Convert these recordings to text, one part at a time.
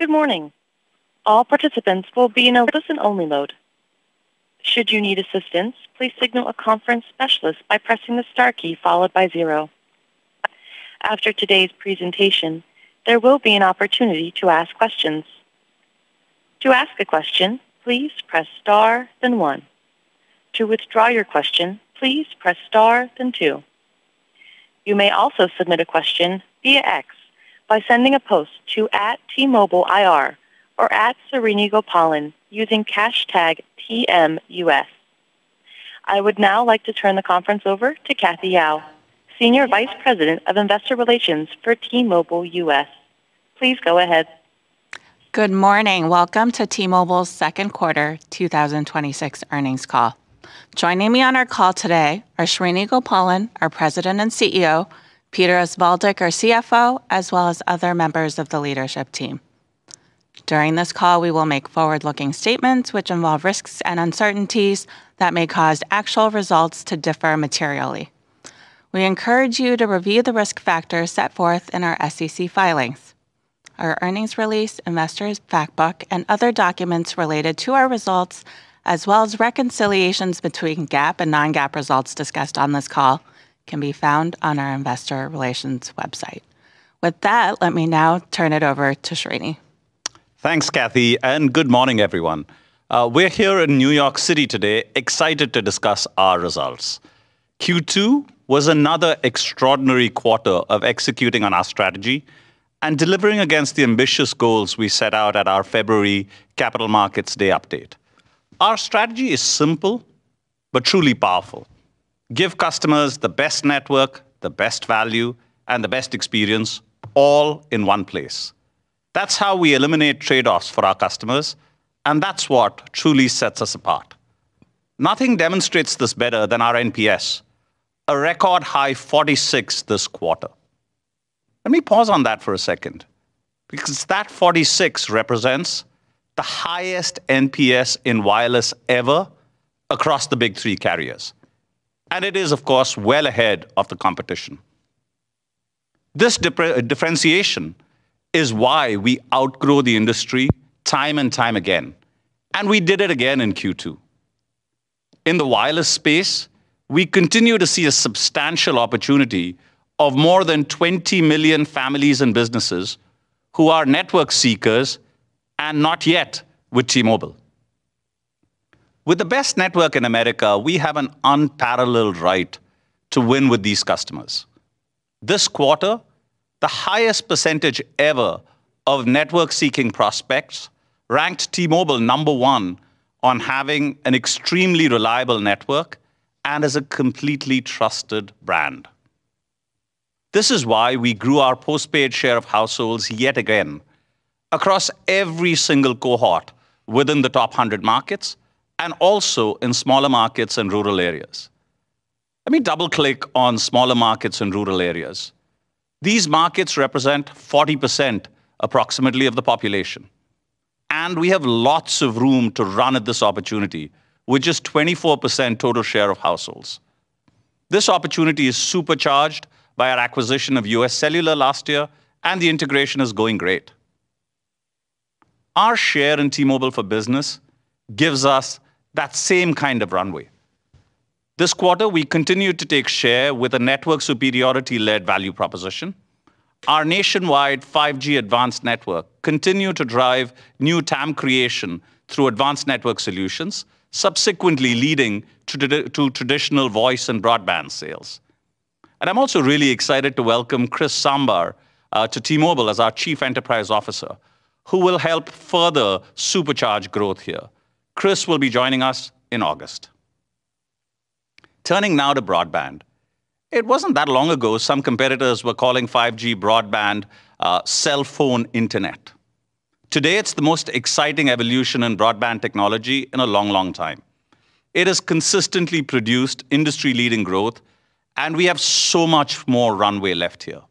Good morning. All participants will be in a listen-only mode. Should you need assistance, please signal a conference specialist by pressing the star key followed by zero. After today's presentation, there will be an opportunity to ask questions. To ask a question, please press star, then one. To withdraw your question, please press star, then two. You may also submit a question via X by sending a post to @TMobileIR or @SriniGopalan using #TMUS. I would now like to turn the conference over to Cathy Yao, Senior Vice President of Investor Relations for T-Mobile U.S. Please go ahead. Good morning. Welcome to T-Mobile's second quarter 2026 earnings call. Joining me on our call today are Srini Gopalan, our President and CEO, Peter Osvaldik, our CFO, as well as other members of the leadership team. During this call, we will make forward-looking statements which involve risks and uncertainties that may cause actual results to differ materially. We encourage you to review the risk factors set forth in our SEC filings. Our earnings release, investor's fact book, and other documents related to our results, as well as reconciliations between GAAP and non-GAAP results discussed on this call, can be found on our investor relations website. With that, let me now turn it over to Srini. Thanks, Cathy, and good morning, everyone. We're here in New York City today, excited to discuss our results. Q2 was another extraordinary quarter of executing on our strategy and delivering against the ambitious goals we set out at our February Capital Markets Day update. Our strategy is simple, but truly powerful. Give customers the best network, the best value, and the best experience all in one place. That's how we eliminate trade-offs for our customers, and that's what truly sets us apart. Nothing demonstrates this better than our NPS, a record high 46 this quarter. Let me pause on that for a second, because that 46 represents the highest NPS in wireless ever across the big three carriers. And it is, of course, well ahead of the competition. This differentiation is why we outgrow the industry time and time again, and we did it again in Q2. In the wireless space, we continue to see a substantial opportunity of more than 20 million families and businesses who are network seekers and not yet with T-Mobile. With the best network in America, we have an unparalleled right to win with these customers. This quarter, the highest percentage ever of network-seeking prospects ranked T-Mobile number one on having an extremely reliable network and as a completely trusted brand. This is why we grew our postpaid share of households yet again across every single cohort within the top 100 markets and also in smaller markets and rural areas. Let me double-click on smaller markets and rural areas. These markets represent 40%, approximately, of the population, and we have lots of room to run at this opportunity with just 24% total share of households. This opportunity is supercharged by our acquisition of UScellular last year, and the integration is going great. Our share in T-Mobile for Business gives us that same kind of runway. This quarter, we continued to take share with a network superiority-led value proposition. Our nationwide 5G Advanced network continued to drive new TAM creation through advanced network solutions, subsequently leading to traditional voice and broadband sales. I'm also really excited to welcome Chris Sambar to T-Mobile as our Chief Enterprise Officer, who will help further supercharge growth here. Chris will be joining us in August. Turning now to broadband. It wasn't that long ago some competitors were calling 5G broadband cellphone internet. Today, it's the most exciting evolution in broadband technology in a long, long time. It has consistently produced industry-leading growth, and we have so much more runway left here.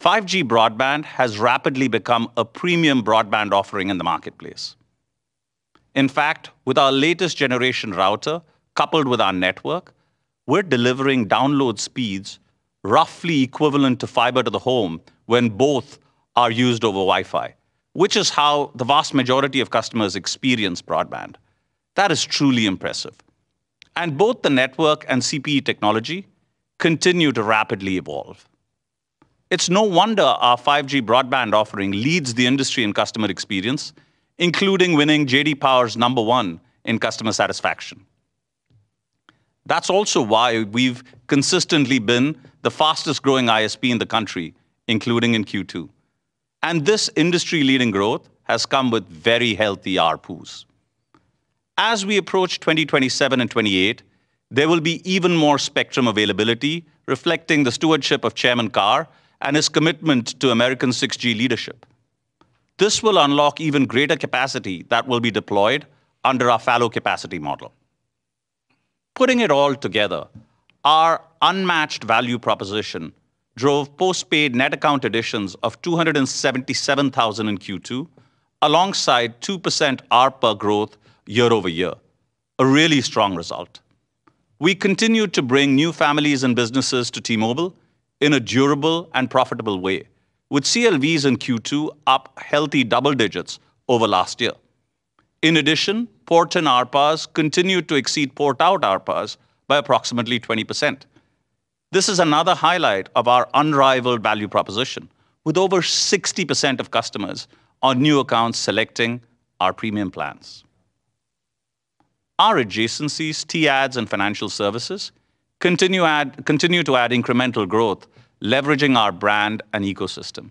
5G broadband has rapidly become a premium broadband offering in the marketplace. In fact, with our latest generation router, coupled with our network, we're delivering download speeds roughly equivalent to fiber-to-the-home when both are used over Wi-Fi, which is how the vast majority of customers experience broadband. That is truly impressive, and both the network and CPE technology continue to rapidly evolve. It's no wonder our 5G broadband offering leads the industry in customer experience, including winning JD Power's number one in customer satisfaction. That's also why we've consistently been the fastest-growing ISP in the country, including in Q2, and this industry-leading growth has come with very healthy ARPUs. As we approach 2027 and 2028, there will be even more spectrum availability reflecting the stewardship of Chairman Carr and his commitment to American 6G leadership. This will unlock even greater capacity that will be deployed under our fallow-capacity model. Putting it all together, our unmatched value proposition drove postpaid net account additions of 277,000 in Q2, alongside 2% ARPA growth year-over-year. A really strong result. We continued to bring new families and businesses to T-Mobile in a durable and profitable way, with CLVs in Q2 up healthy double digits over last year. In addition, port-in ARPAs continued to exceed port-out ARPAs by approximately 20%. This is another highlight of our unrivaled value proposition, with over 60% of customers on new accounts selecting our premium plans. Our adjacencies, T-Ads and Financial Services, continue to add incremental growth leveraging our brand and ecosystem.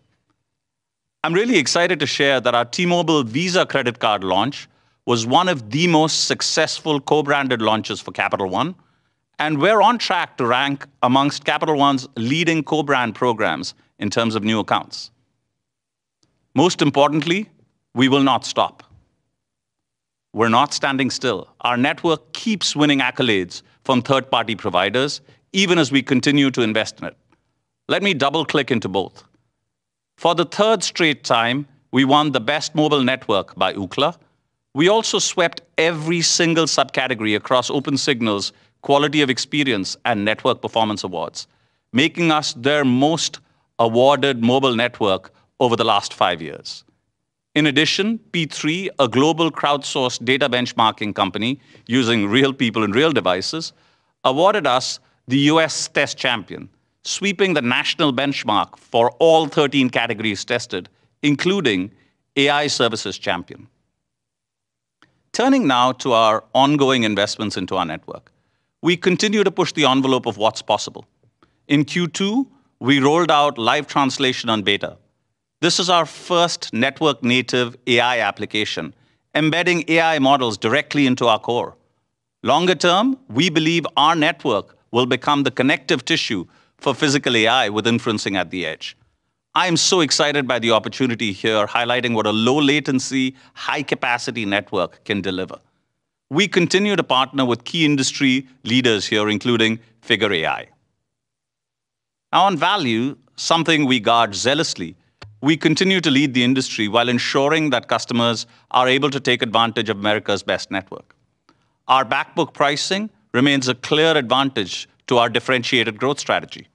I'm really excited to share that our T-Mobile Visa credit card launch was one of the most successful co-branded launches for Capital One, and we're on track to rank amongst Capital One's leading co-brand programs in terms of new accounts. Most importantly, we will not stop. We're not standing still. Our network keeps winning accolades from third-party providers, even as we continue to invest in it. Let me double-click into both. For the third straight time, we won the Best Mobile Network by Ookla. We also swept every single subcategory across Opensignal's Quality of Experience and Network Performance Awards, making us their most awarded mobile network over the last five years. In addition, P3, a global crowdsourced data benchmarking company using real people and real devices, awarded us the U.S. Test Champion, sweeping the national benchmark for all 13 categories tested, including AI Services Champion. Turning now to our ongoing investments into our network. We continue to push the envelope of what's possible. In Q2, we rolled out live translation on beta. This is our first network-native AI application, embedding AI models directly into our core. Longer term, we believe our network will become the connective tissue for physical AI with inferencing at the edge. I am so excited by the opportunity here, highlighting what a low-latency, high-capacity network can deliver. We continue to partner with key industry leaders here, including Figure AI. On value, something we guard zealously, we continue to lead the industry while ensuring that customers are able to take advantage of America's best network. Our back book pricing remains a clear advantage to our differentiated growth strategy.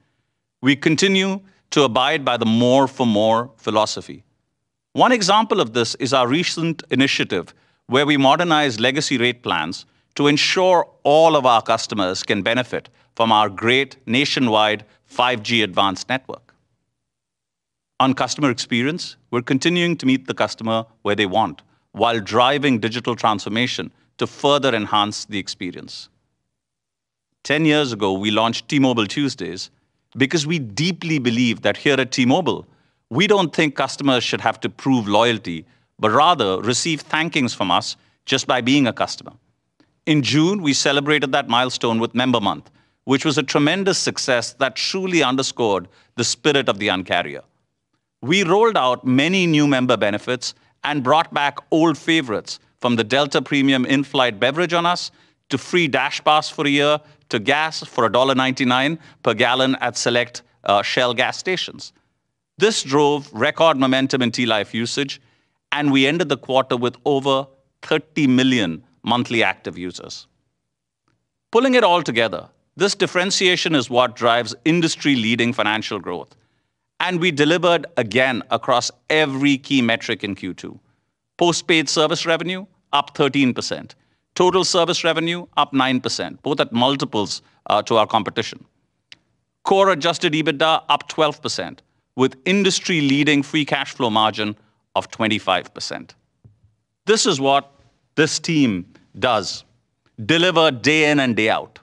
We continue to abide by the more-for-more philosophy. One example of this is our recent initiative where we modernized legacy rate plans to ensure all of our customers can benefit from our great nationwide 5G Advanced network. On customer experience, we're continuing to meet the customer where they want while driving digital transformation to further enhance the experience. 10 years ago, we launched T-Mobile Tuesdays because we deeply believe that here at T-Mobile, we don't think customers should have to prove loyalty but rather receive thankings from us just by being a customer. In June, we celebrated that milestone with Member Month, which was a tremendous success that truly underscored the spirit of the Un-carrier. We rolled out many new member benefits and brought back old favorites from the Delta premium in-flight beverage on us, to free DashPass for a year, to gas for $1.99/gal at select Shell gas stations. This drove record momentum in T-Life usage, and we ended the quarter with over 30 million monthly active users. Pulling it all together, this differentiation is what drives industry-leading financial growth, and we delivered again across every key metric in Q2. Postpaid service revenue up 13%, total service revenue up 9%, both at multiples to our competition. Core adjusted EBITDA up 12% with industry-leading free cash flow margin of 25%. This is what this team does, deliver day in and day out.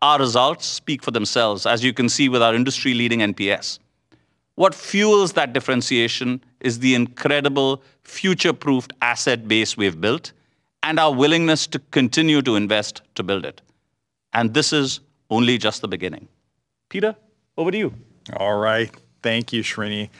Our results speak for themselves, as you can see with our industry-leading NPS. What fuels that differentiation is the incredible future-proofed asset base we have built and our willingness to continue to invest to build it. This is only just the beginning. Peter, over to you. All right. Thank you, Srini.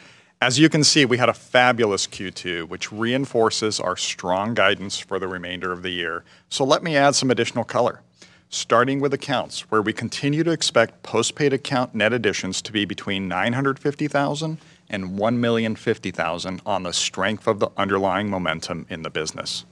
As you can see, we had a fabulous Q2, which reinforces our strong guidance for the remainder of the year. Let me add some additional color. Starting with accounts, where we continue to expect postpaid account net additions to be between 950,000 and 1,050,000 on the strength of the underlying momentum in the business.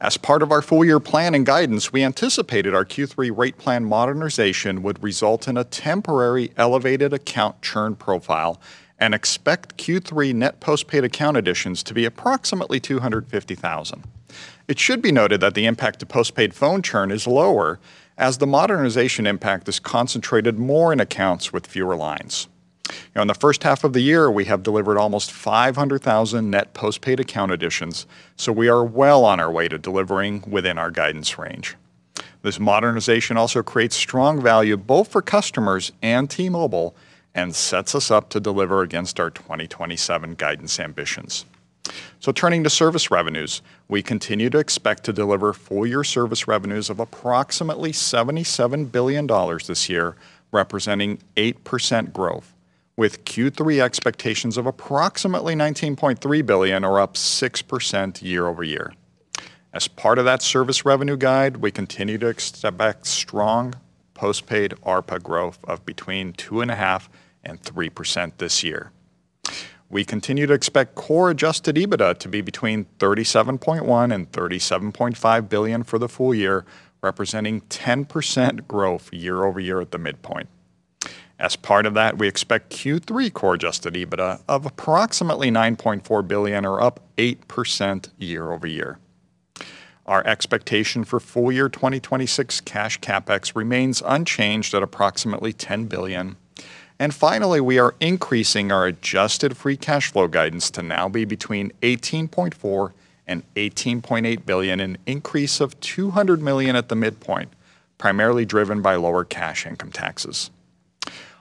As part of our full-year plan and guidance, we anticipated our Q3 rate plan modernization would result in a temporary elevated account churn profile and expect Q3 net postpaid account additions to be approximately 250,000. It should be noted that the impact to postpaid phone churn is lower as the modernization impact is concentrated more in accounts with fewer lines. In the first half of the year, we have delivered almost 500,000 net postpaid account additions, so we are well on our way to delivering within our guidance range. This modernization also creates strong value both for customers and T-Mobile and sets us up to deliver against our 2027 guidance ambitions. Turning to service revenues, we continue to expect to deliver full-year service revenues of approximately $77 billion this year, representing 8% growth, with Q3 expectations of approximately $19.3 billion, or up 6% year-over-year. As part of that service revenue guide, we continue to expect strong postpaid ARPA growth of between 2.5% and 3% this year. We continue to expect core adjusted EBITDA to be between $37.1 billion and $37.5 billion for the full year, representing 10% growth year-over-year at the midpoint. As part of that, we expect Q3 core adjusted EBITDA of approximately $9.4 billion, or up 8% year-over-year. Our expectation for full year 2026 cash CapEx remains unchanged at approximately $10 billion. Finally, we are increasing our adjusted free cash flow guidance to now be between $18.4 billion and $18.8 billion, an increase of $200 million at the midpoint, primarily driven by lower cash income taxes.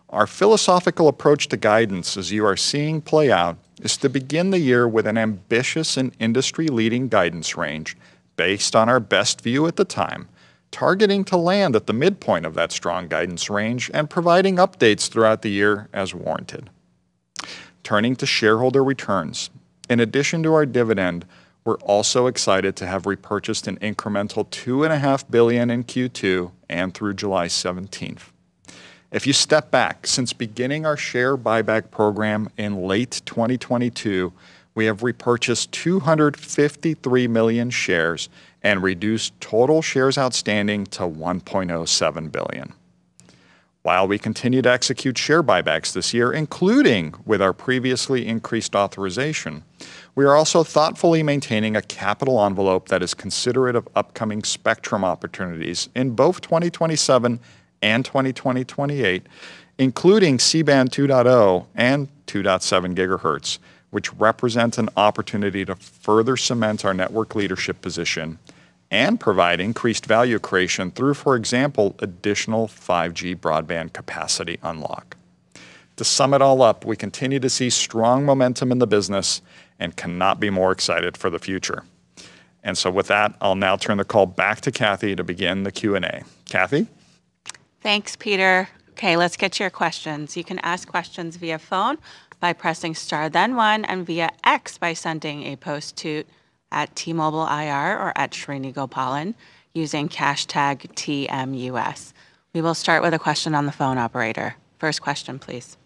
Our philosophical approach to guidance, as you are seeing play out, is to begin the year with an ambitious and industry-leading guidance range based on our best view at the time, targeting to land at the midpoint of that strong guidance range and providing updates throughout the year as warranted. Turning to shareholder returns, in addition to our dividend, we are also excited to have repurchased an incremental $2.5 billion in Q2 and through July 17th. If you step back, since beginning our share buyback program in late 2022, we have repurchased 253 million shares and reduced total shares outstanding to 1.07 billion. While we continue to execute share buybacks this year, including with our previously increased authorization, we are also thoughtfully maintaining a capital envelope that is considerate of upcoming spectrum opportunities in both 2027 and 2028, including C-Band 2.0 GHz and 2.7 GHz, which represents an opportunity to further cement our network leadership position and provide increased value creation through, for example, additional 5G broadband capacity unlock. To sum it all up, we continue to see strong momentum in the business and cannot be more excited for the future. With that, I'll now turn the call back to Cathy to begin the Q&A. Cathy? Thanks, Peter. Okay, let's get to your questions. You can ask questions via phone by pressing star then one, and via X by sending a post to @TMobileIR or @SriniGopalan using #TMUS. We will start with a question on the phone, operator. First question, please.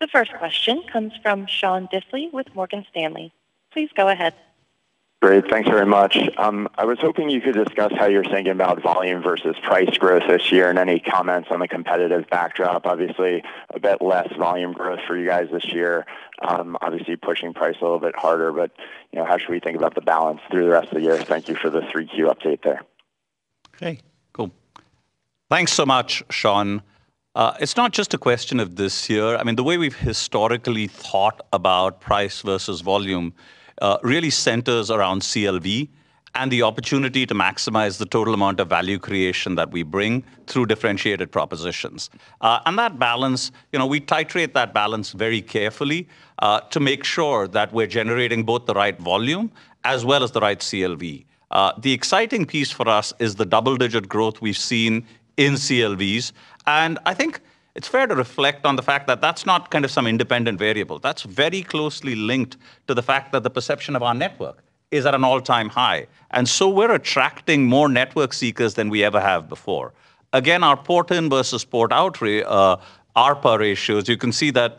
The first question comes from Sean Diffley with Morgan Stanley. Please go ahead. Great. Thanks very much. I was hoping you could discuss how you're thinking about volume versus price growth this year, and any comments on the competitive backdrop. Obviously, a bit less volume growth for you guys this year. Obviously, pushing price a little bit harder, but how should we think about the balance through the rest of the year? Thank you for the 3Q update there. Okay. Cool. Thanks so much, Sean. It's not just a question of this year. The way we've historically thought about price versus volume really centers around CLV and the opportunity to maximize the total amount of value creation that we bring through differentiated propositions. That balance, we titrate that balance very carefully to make sure that we're generating both the right volume as well as the right CLV. The exciting piece for us is the double-digit growth we've seen in CLVs, and I think it's fair to reflect on the fact that that's not some independent variable. That's very closely linked to the fact that the perception of our network is at an all-time high, and so we're attracting more network seekers than we ever have before. Again, our port-in versus port-out ARPA ratios, you can see that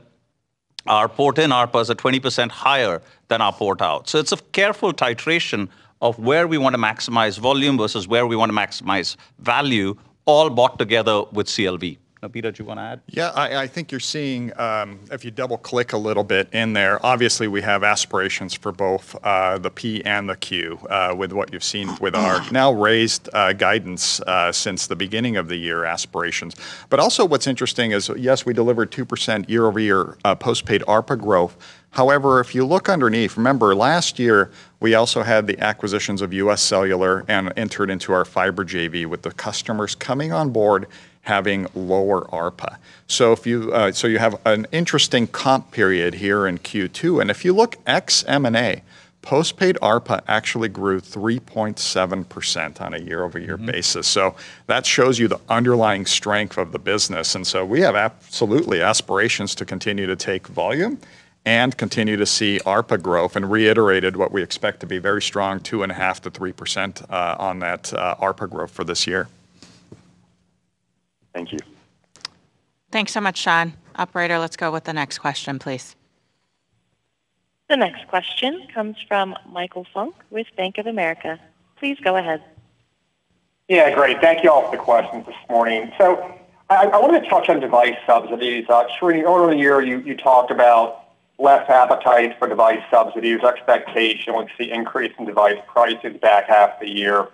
our port-in ARPAs are 20% higher than our port-out. It's a careful titration of where we want to maximize volume versus where we want to maximize value, all brought together with CLV. Now, Peter, do you want to add? Yeah, I think you're seeing, if you double-click a little bit in there, obviously we have aspirations for both the P and the Q with what you've seen with our now-raised guidance since the beginning of the year aspirations. But also, what's interesting is, yes, we delivered 2% year-over-year postpaid ARPA growth. However, if you look underneath, remember last year, we also had the acquisitions of UScellular and entered into our fiber JV with the customers coming on board having lower ARPA. You have an interesting comp period here in Q2, and if you look ex-M&A, postpaid ARPA actually grew 3.7% on a year-over-year basis. That shows you the underlying strength of the business, and so we have absolutely aspirations to continue to take volume and continue to see ARPA growth, and reiterated what we expect to be very strong 2.5%-3% on that ARPA growth for this year. Thank you. Thanks so much, Sean. Operator, let's go with the next question, please. The next question comes from Michael Funk with Bank of America. Please go ahead. Yeah. Great. Thank you all for the questions this morning. I wanted to touch on device subsidies. Srini, earlier in the year, you talked about less appetite for device subsidies, expectation we'd see increase in device prices back half of the year,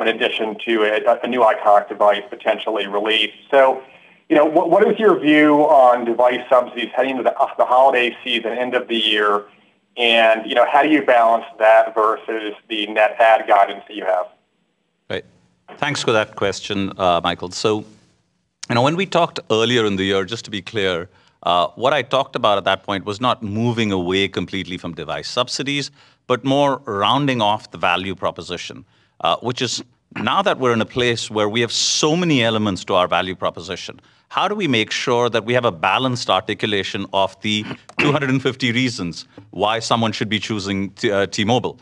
in addition to a new iPhone device potentially released. What is your view on device subsidies heading into the holiday season, end of the year, and how do you balance that versus the net add guidance that you have? Right. Thanks for that question, Michael. When we talked earlier in the year, just to be clear, what I talked about at that point was not moving away completely from device subsidies, but more rounding off the value proposition, which is now that we're in a place where we have so many elements to our value proposition, how do we make sure that we have a balanced articulation of the 250 reasons why someone should be choosing T-Mobile?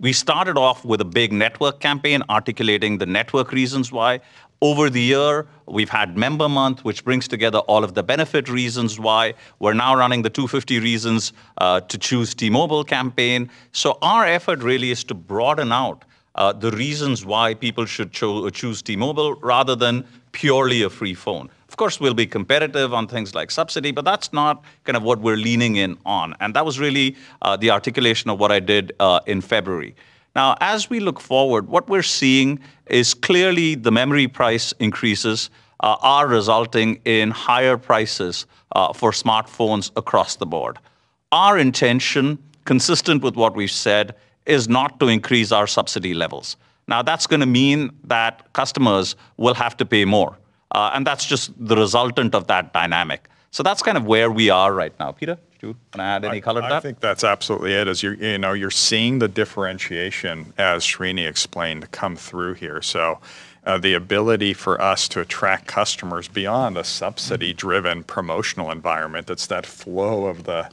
We started off with a big network campaign articulating the network reasons why. Over the year, we've had Member Month, which brings together all of the benefit reasons why. We're now running the 250 reasons to choose T-Mobile campaign. Our effort really is to broaden out the reasons why people should choose T-Mobile rather than purely a free phone. Of course, we'll be competitive on things like subsidy, but that's not kind of what we're leaning in on. That was really the articulation of what I did in February. As we look forward, what we're seeing is clearly the memory price increases are resulting in higher prices for smartphones across the board. Our intention, consistent with what we've said, is not to increase our subsidy levels. That's going to mean that customers will have to pay more, and that's just the resultant of that dynamic. That's kind of where we are right now. Peter, do you want to add any color to that? I think that's absolutely it. You're seeing the differentiation, as Srini explained, come through here. The ability for us to attract customers beyond a subsidy-driven promotional environment, that's that flow of the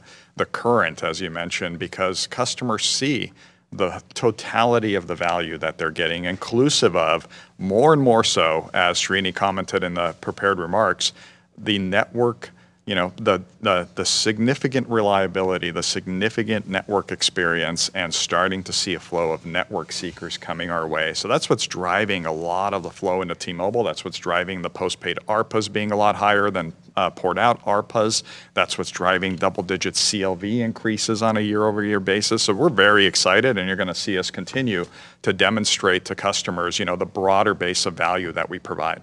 current, as you mentioned, because customers see the totality of the value that they're getting inclusive of more and more so, as Srini commented in the prepared remarks, the network, the significant reliability, the significant network experience, and starting to see a flow of network seekers coming our way. That's what's driving a lot of the flow into T-Mobile. That's what's driving the postpaid ARPAs being a lot higher than port-out ARPAs. That's what's driving double-digit CLV increases on a year-over-year basis. We're very excited, and you're going to see us continue to demonstrate to customers the broader base of value that we provide.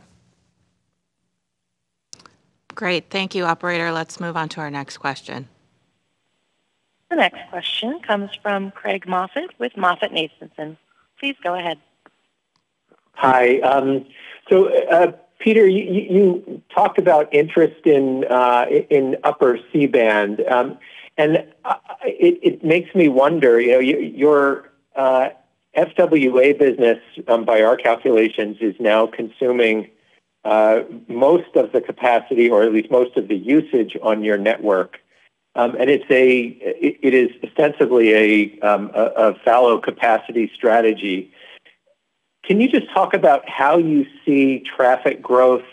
Great. Thank you, operator. Let's move on to our next question. The next question comes from Craig Moffett with MoffettNathanson. Please go ahead. Hi. Peter, you talked about interest in upper C-band. It makes me wonder, your FWA business, by our calculations, is now consuming most of the capacity or at least most of the usage on your network. It is ostensibly a fallow capacity strategy. Can you just talk about how you see traffic growth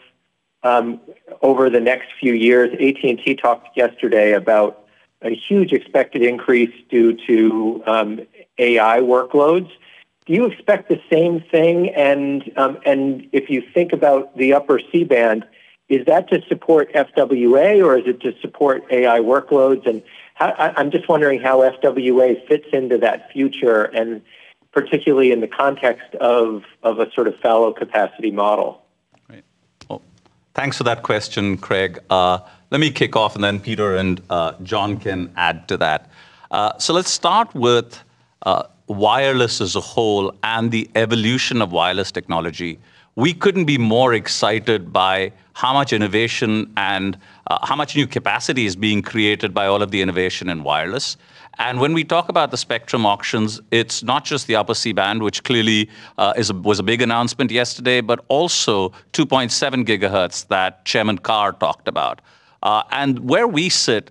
over the next few years? AT&T talked yesterday about a huge, expected increase due to AI workloads. Do you expect the same thing? If you think about the upper C-band, is that to support FWA or is it to support AI workloads? I'm just wondering how FWA fits into that future, and particularly in the context of a sort of fallow-capacity model. Great. Thanks for that question, Craig. Let me kick off and then Peter and John can add to that. Let's start with wireless as a whole and the evolution of wireless technology. We couldn't be more excited by how much innovation and how much new capacity is being created by all of the innovation in wireless. When we talk about the spectrum auctions, it's not just the upper C-band, which clearly was a big announcement yesterday, but also 2.7 GHz that Chairman Carr talked about. And where we sit,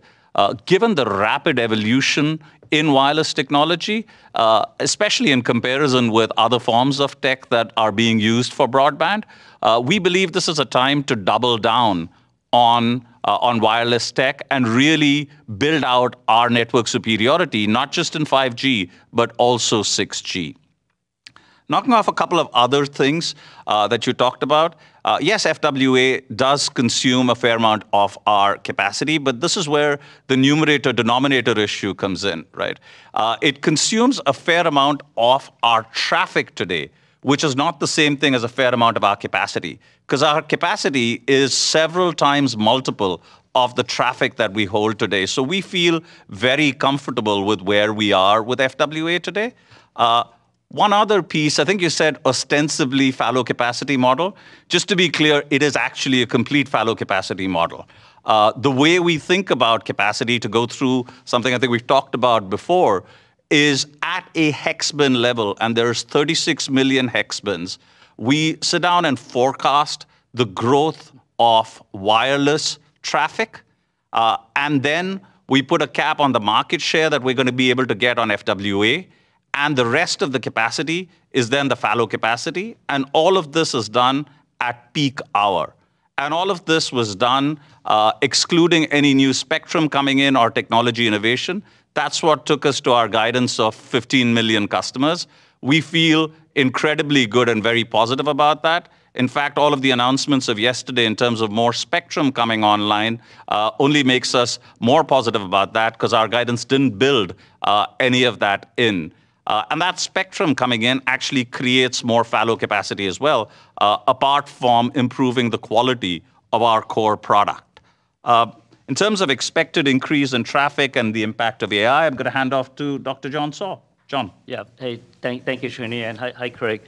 given the rapid evolution in wireless technology, especially in comparison with other forms of tech that are being used for broadband, we believe this is a time to double down on wireless tech and really build out our network superiority, not just in 5G, but also 6G. Knocking off a couple of other things that you talked about, yes, FWA does consume a fair amount of our capacity, but this is where the numerator-denominator issue comes in, right? It consumes a fair amount of our traffic today, which is not the same thing as a fair amount of our capacity. Our capacity is several times multiple of the traffic that we hold today. So, we feel very comfortable with where we are with FWA today. One other piece, I think you said ostensibly fallow-capacity model. Just to be clear, it is actually a complete fallow-capacity model. The way we think about capacity to go through something I think we've talked about before is at a hex bin level, and there's 36 million hex bins. We sit down and forecast the growth of wireless traffic. Then, we put a cap on the market share that we're going to be able to get on FWA, and the rest of the capacity is then the fallow capacity, and all of this is done at peak hour. All of this was done excluding any new spectrum coming in or technology innovation. That's what took us to our guidance of 15 million customers. We feel incredibly good and very positive about that. In fact, all of the announcements of yesterday in terms of more spectrum coming online only makes us more positive about that because our guidance didn't build any of that in. That spectrum coming in actually creates more fallow capacity as well, apart from improving the quality of our core product. In terms of expected increase in traffic and the impact of AI, I'm going to hand off to Dr. John Saw. John. Thank you, Srini, and hi, Craig.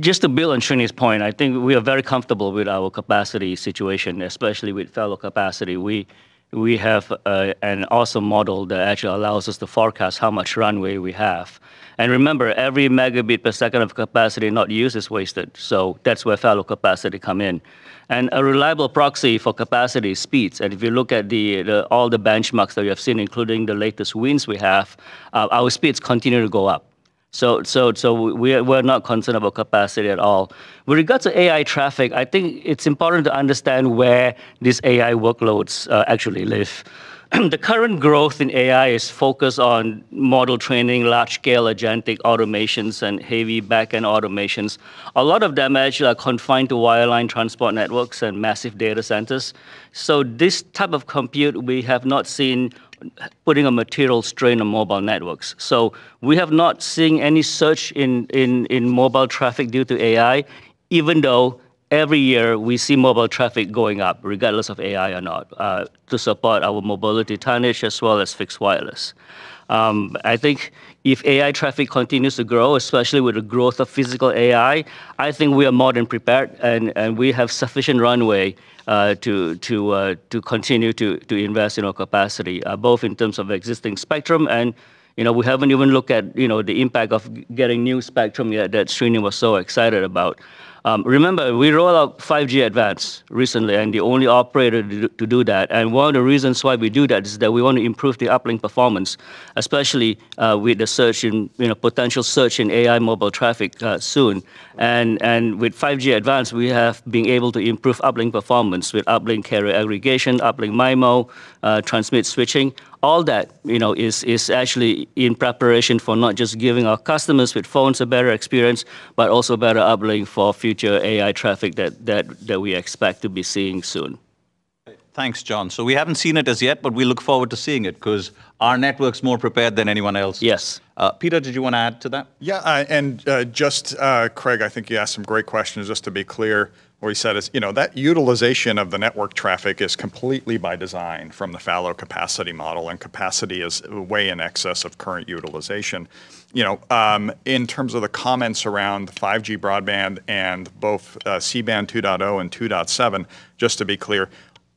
Just to build on Srini's point, I think we are very comfortable with our capacity situation, especially with fallow capacity. We have an awesome model that actually allows us to forecast how much runway we have. Remember, every megabit per second of capacity not used is wasted, so that's where fallow capacity come in. A reliable proxy for capacity is speeds, so if you look at all the benchmarks that you have seen, including the latest wins we have, our speeds continue to go up. So, we're not concerned about capacity at all. With regards to AI traffic, I think it's important to understand where these AI workloads actually live. The current growth in AI is focused on model training, large-scale agentic automations, and heavy back-end automations. A lot of them actually are confined to wireline transport networks and massive data centers. This type of compute, we have not seen putting a material strain on mobile networks. We have not seen any surge in mobile traffic due to AI, even though every year, we see mobile traffic going up, regardless of AI or not, to support our mobility tonnage as well as fixed wireless. I think if AI traffic continues to grow, especially with the growth of physical AI, I think we are more than prepared, and we have sufficient runway to continue to invest in our capacity, both in terms of existing spectrum and we haven't even looked at the impact of getting new spectrum yet that Srini was so excited about. Remember, we rolled out 5G Advanced recently, and the only operator to do that. One of the reasons why we do that is that we want to improve the uplink performance, especially with the potential surge in AI mobile traffic soon. With 5G Advanced, we have been able to improve uplink performance with uplink carrier aggregation, uplink MIMO, transmit switching. All that is actually in preparation for not just giving our customers with phones a better experience, but also better uplink for future AI traffic that we expect to be seeing soon. Thanks, John. We haven't seen it as yet, but we look forward to seeing it because our network's more prepared than anyone else. Yes. Peter, did you want to add to that? Yeah. Just, Craig, I think you asked some great questions. Just to be clear, what he said is that utilization of the network traffic is completely by design from the fallow-capacity model, and capacity is way in excess of current utilization. In terms of the comments around 5G broadband and both C-band 2.0 GHz and 2.7 GHz, just to be clear,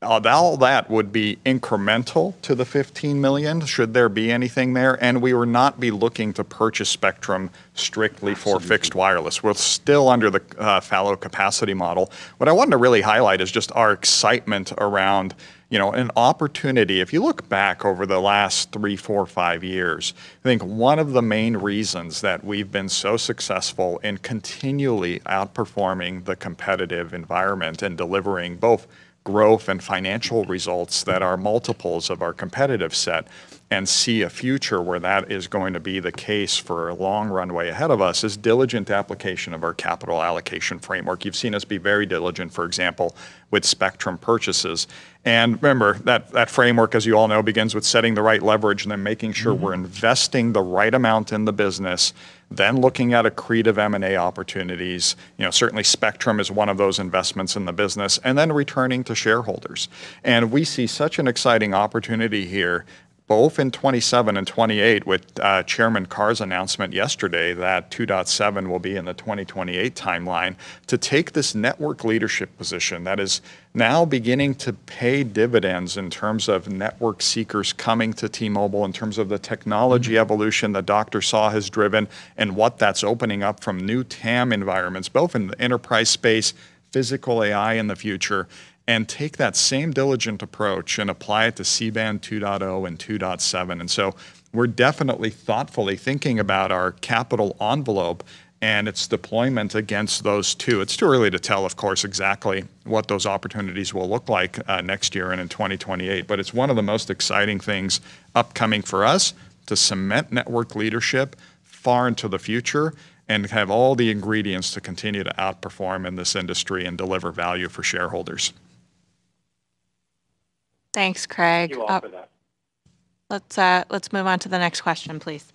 all that would be incremental to the $15 million, should there be anything there, and we would not be looking to purchase spectrum strictly for fixed wireless. We're still under the fallow-capacity model. What I wanted to really highlight is just our excitement around an opportunity. If you look back over the last three, four, five years, I think one of the main reasons that we've been so successful in continually outperforming the competitive environment and delivering both growth and financial results that are multiples of our competitive set and see a future where that is going to be the case for a long runway ahead of us is diligent application of our capital allocation framework. You've seen us be very diligent, for example, with spectrum purchases. Remember, that framework, as you all know, begins with setting the right leverage and then making sure we're investing the right amount in the business, then looking at accretive M&A opportunities. Certainly, spectrum is one of those investments in the business. And then, returning to shareholders. We see such an exciting opportunity here, both in 2027 and 2028 with Chairman Carr's announcement yesterday that 2.7 GHz will be in the 2028 timeline to take this network leadership position that is now beginning to pay dividends in terms of network seekers coming to T-Mobile, in terms of the technology evolution that Dr. Saw has driven, and what that's opening up from new TAM environments, both in the enterprise space, physical AI in the future, and take that same diligent approach and apply it to C-band 2.0 GHz and 2.7 GHz. We're definitely thoughtfully thinking about our capital envelope and its deployment against those two. It's too early to tell, of course, exactly what those opportunities will look like next year and in 2028. It's one of the most exciting things upcoming for us to cement network leadership far into the future and have all the ingredients to continue to outperform in this industry and deliver value for shareholders. Thanks, Craig. Thank you all for that. Let's move on to the next question, please.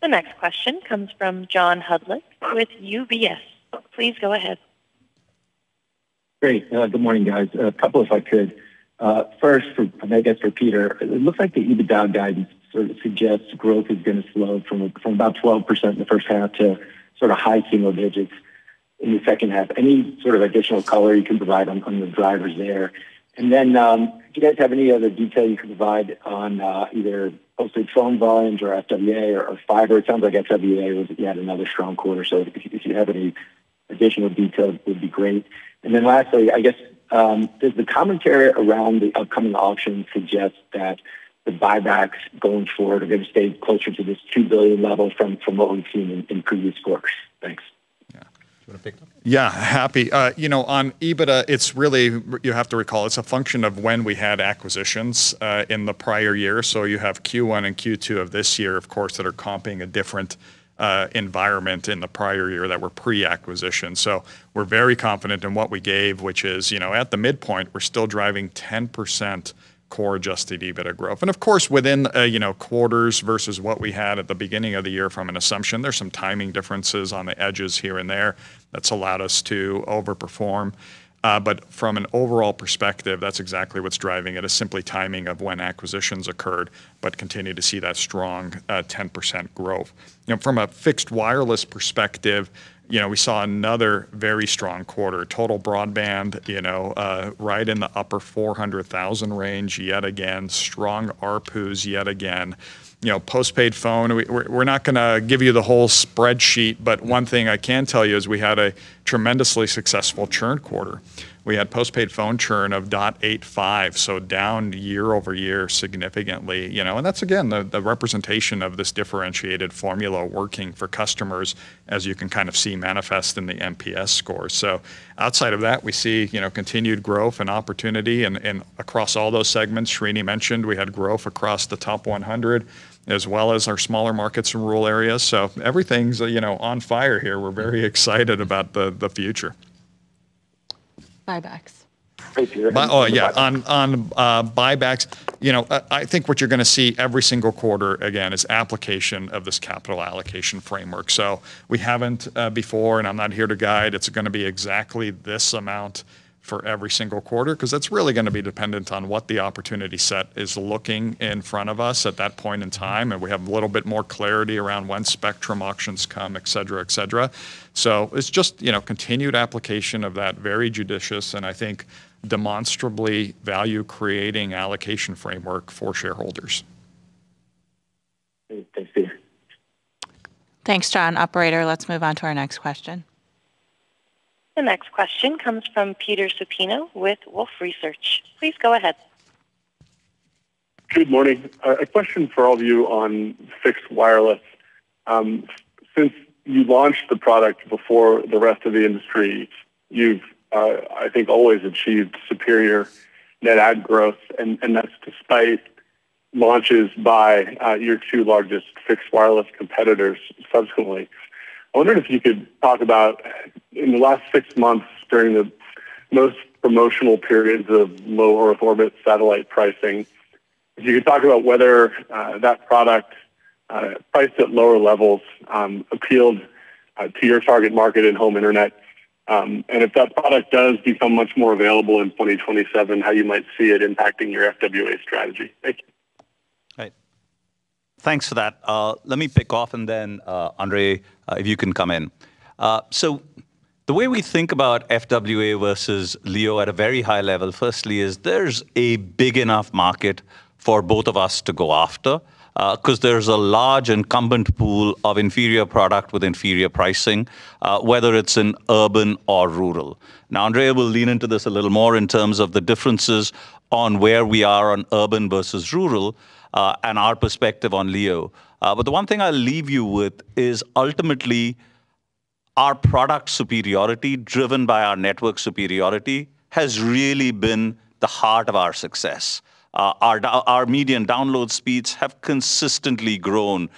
The next question comes from John Hodulik with UBS. Please go ahead. Great. Good morning, guys. A couple if I could. First, I guess for Peter, it looks like the EBITDA guidance sort of suggests growth is going to slow from about 12% in the first half to sort of high single digits in the second half. Any sort of additional color you can provide on the drivers there? Then, do you guys have any other detail you can provide on either postpaid phone volumes or FWA or fiber? It sounds like FWA had another strong quarter. If you have any additional details, that would be great. Lastly, I guess, does the commentary around the upcoming auction suggest that the buybacks going forward are going to stay closer to this $2 billion level from what we've seen in previous quarters? Thanks. Yeah. Do you want to pick it up? Yeah. Happy. You know, on EBITDA, it's really, you have to recall it's a function of when we had acquisitions in the prior year. So, you have Q1 and Q2 of this year, of course, that are comping a different environment in the prior year that were pre-acquisition. We're very confident in what we gave, which is at the midpoint, we're still driving 10% core adjusted EBITDA growth. Of course, within quarters versus what we had at the beginning of the year from an assumption, there's some timing differences on the edges here and there that's allowed us to over-perform. But from an overall perspective, that's exactly what's driving it, is simply timing of when acquisitions occurred, but continue to see that strong 10% growth. From a fixed wireless perspective, we saw another very strong quarter. Total broadband right in the upper 400,000 range yet again. Strong ARPUs yet again. Postpaid phone, we're not going to give you the whole spreadsheet, but one thing I can tell you is we had a tremendously successful churn quarter. We had postpaid phone churn of 0.85%, so down year-over-year significantly. That's again the representation of this differentiated formula working for customers, as you can kind of see manifest in the NPS score. Outside of that, we see continued growth and opportunity and across all those segments Srini mentioned, we had growth across the top 100 as well as our smaller markets in rural areas. Everything's on fire here. We're very excited about the future. Buybacks. Thanks, Peter. Oh yeah. On buybacks, I think what you're going to see every single quarter, again, is application of this capital allocation framework. We haven't before, and I'm not here to guide it's going to be exactly this amount for every single quarter because that's really going to be dependent on what the opportunity set is looking in front of us at that point in time, and we have a little bit more clarity around when spectrum auctions come, et cetera. It's just continued application of that very judicious and I think demonstrably value creating allocation framework for shareholders. Great. Thanks, Peter. Thanks, John. Operator, let's move on to our next question. The next question comes from Peter Supino with Wolfe Research. Please go ahead. Good morning. A question for all of you on fixed wireless. Since you launched the product before the rest of the industry, you've I think always achieved superior net add growth, and that's despite launches by your two largest fixed wireless competitors subsequently. I wondered if you could talk about in the last six months, during the most promotional periods of low Earth orbit satellite pricing, if you could talk about whether that product priced at lower levels appealed to your target market and home internet. And if that product does become much more available in 2027, how you might see it impacting your FWA strategy. Thank you. Right. Thanks for that. Let me pick off and then, André, if you can come in. The way we think about FWA versus LEO at a very high level, firstly is there's a big enough market for both of us to go after, because there's a large incumbent pool of inferior product with inferior pricing, whether it's in urban or rural. André will lean into this a little more in terms of the differences on where we are on urban versus rural, and our perspective on LEO. The one thing I'll leave you with is ultimately, our product superiority, driven by our network superiority, has really been the heart of our success. Our median download speeds have consistently grown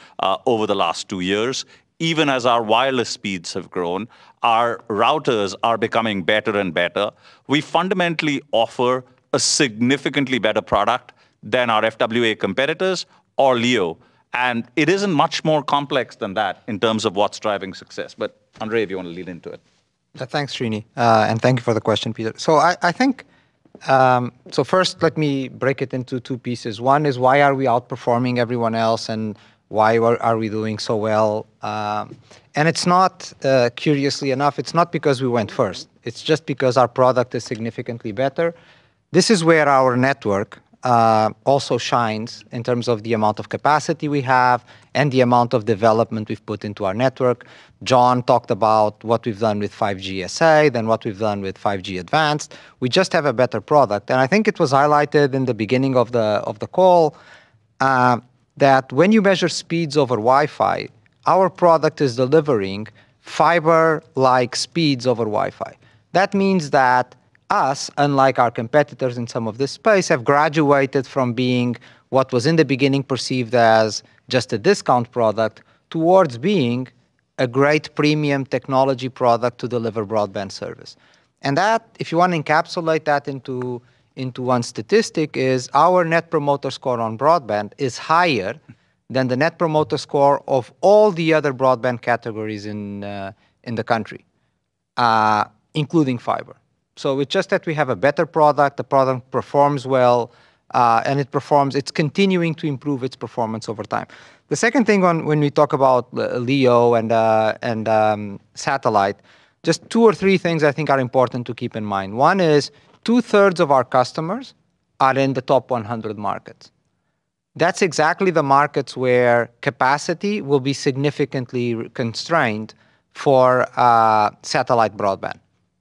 over the last two years, even as our wireless speeds have grown. Our routers are becoming better and better. We fundamentally offer a significantly better product than our FWA competitors or LEO, and it isn't much more complex than that in terms of what's driving success. But André, if you want to lean into it. Thanks, Srini, and thank you for the question, Peter. First, let me break it into two pieces. One is why are we outperforming everyone else and why are we doing so well? Curiously enough, it's not because we went first, it's just because our product is significantly better. This is where our network also shines in terms of the amount of capacity we have and the amount of development we've put into our network. John talked about what we've done with 5G SA, then what we've done with 5G Advanced. We just have a better product. I think it was highlighted in the beginning of the call that when you measure speeds over Wi-Fi, our product is delivering fiber-like speeds over Wi-Fi. That means that us, unlike our competitors in some of this space, have graduated from being what was in the beginning perceived as just a discount product, towards being a great premium technology product to deliver broadband service. That, if you want to encapsulate that into one statistic, is our net promoter score on broadband is higher than the net promoter score of all the other broadband categories in the country, including fiber. It's just that we have a better product, the product performs well, and it's continuing to improve its performance over time. The second thing when we talk about LEO and satellite, just two or three things I think are important to keep in mind. One is 2/3 of our customers are in the top 100 markets. That's exactly the markets where capacity will be significantly constrained for satellite broadband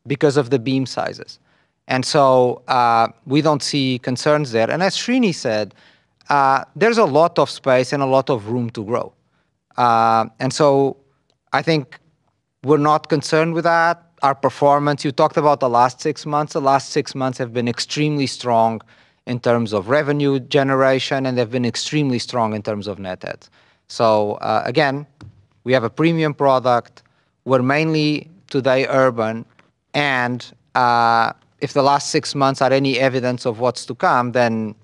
because of the beam sizes. And so, we don't see concerns there. As Srini said, there's a lot of space and a lot of room to grow. And so, I think we're not concerned with that. Our performance, you talked about the last six months, the last six months have been extremely strong in terms of revenue generation, and they've been extremely strong in terms of net adds. Again, we have a premium product. We're mainly today urban, and if the last six months are any evidence of what's to come, then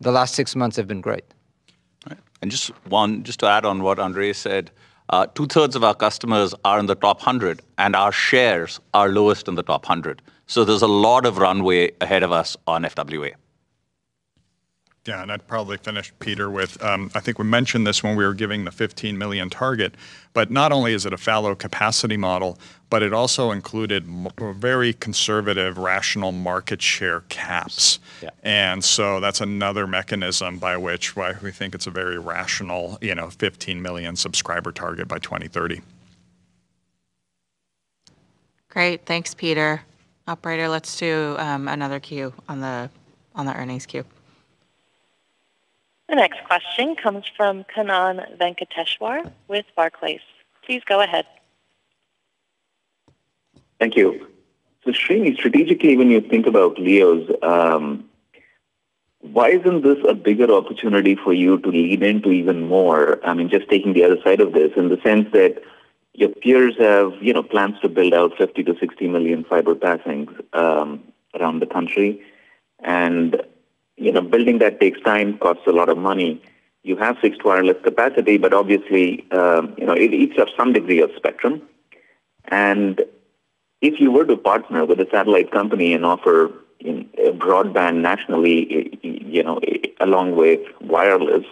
the last six months have been great. Right. Just to add on what André said, 2/3 of our customers are in the top 100, and our shares are lowest in the top 100. So, there's a lot of runways ahead of us on FWA. Yeah. I'd probably finish Peter with, I think we mentioned this when we were giving the 15 million target but not only is it a fallow-capacity model, but it also included very conservative, rational market share caps. Yeah. That's another mechanism by which why we think it's a very rational 15 million subscriber target by 2030. Great. Thanks, Peter. Operator, let's do another queue on the earnings queue. The next question comes from Kannan Venkateshwar with Barclays. Please go ahead. Thank you. Srini, strategically, when you think about LEOs, why isn't this a bigger opportunity for you to lean into even more? And just taking the other side of this, in the sense that your peers have plans to build out 50 million-60 million fiber passings around the country, and building that takes time, costs a lot of money. You have fixed wireless capacity, but obviously, it eats up some degree of spectrum. If you were to partner with a satellite company and offer broadband nationally, along with wireless,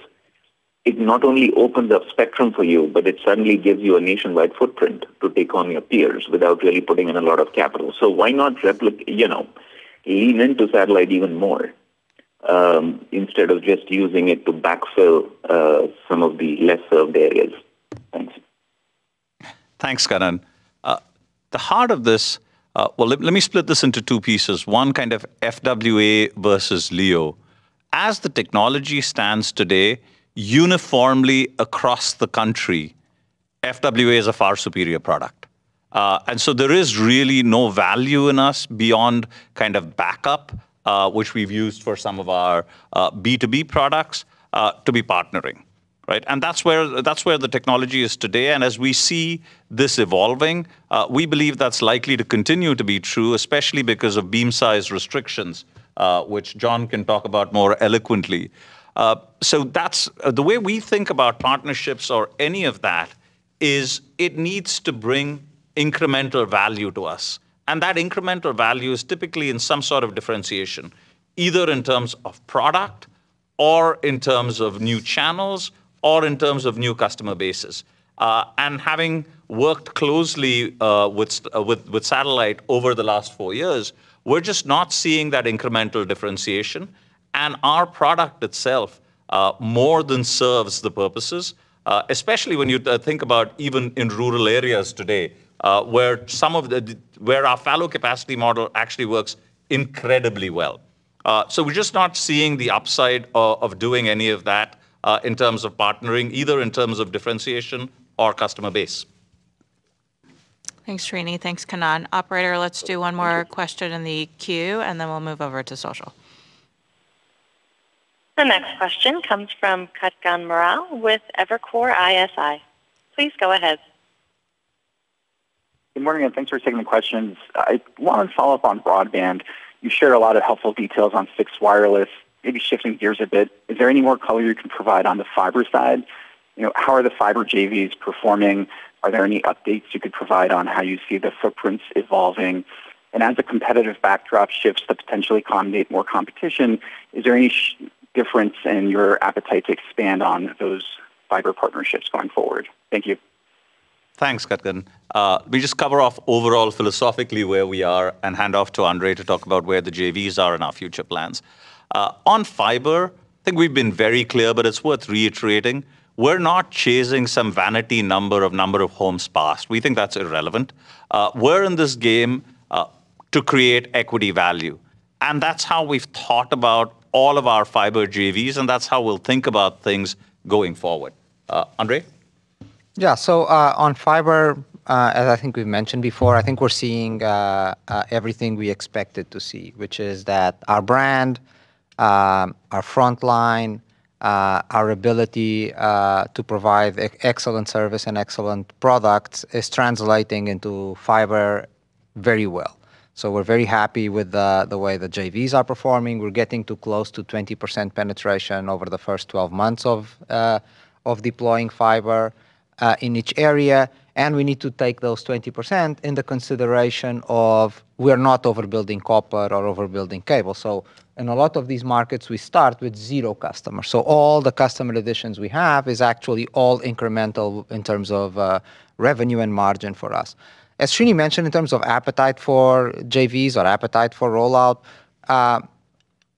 it not only opens up spectrum for you, but it suddenly gives you a nationwide footprint to take on your peers without really putting in a lot of capital. So, why not lean into satellite even more, instead of just using it to backfill some of the less served areas? Thanks. Thanks, Kannan. The heart of this, well, let me split this into two pieces. One, FWA versus LEO. As the technology stands today, uniformly across the country, FWA is a far superior product. There is really no value in us beyond backup, which we've used for some of our B2B products, to be partnering. Right? That's where the technology is today, and as we see this evolving, we believe that's likely to continue to be true, especially because of beam size restrictions, which John can talk about more eloquently. The way we think about partnerships or any of that is it needs to bring incremental value to us, and that incremental value is typically in some sort of differentiation, either in terms of product or in terms of new channels, or in terms of new customer bases. Having worked closely with satellite over the last four years, we're just not seeing that incremental differentiation, and our product itself more than serves the purposes, especially when you think about even in rural areas today, where our fallow-capacity model actually works incredibly well. We're just not seeing the upside of doing any of that in terms of partnering, either in terms of differentiation or customer base. Thanks, Srini. Thanks, Kannan. Operator, let's do one more question in the queue, and then we'll move over to social. The next question comes from Kutgun Maral with Evercore ISI. Please go ahead. Good morning. Thanks for taking the questions. I want to follow up on broadband. You shared a lot of helpful details on fixed wireless. Maybe shifting gears a bit, is there any more color you can provide on the fiber side? How are the fiber JVs performing? Are there any updates you could provide on how you see the footprints evolving? And as the competitive backdrop shifts to potentially accommodate more competition, is there any difference in your appetite to expand on those fiber partnerships going forward? Thank you. Thanks, Kutgun. Let me just cover off overall philosophically where we are and hand off to André to talk about where the JVs are in our future plans. On fiber, I think we've been very clear, it's worth reiterating. We're not chasing some vanity number of number of homes passed. We think that's irrelevant. We're in this game to create equity value, and that's how we've thought about all of our fiber JVs, and that's how we'll think about things going forward. André? Yeah. So, on fiber, as I think we've mentioned before, I think we're seeing everything we expected to see, which is that our brand, our frontline, our ability to provide excellent service and excellent products is translating into fiber very well. We're very happy with the way the JVs are performing. We're getting to close to 20% penetration over the first 12 months of deploying fiber in each area, and we need to take those 20% in the consideration of we're not overbuilding copper or overbuilding cable. In a lot of these markets, we start with zero customers, so all the customer additions we have is actually all incremental in terms of revenue and margin for us. As Srini mentioned, in terms of appetite for JVs or appetite for rollout,